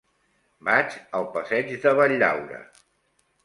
Vaig al passeig de Valldaura.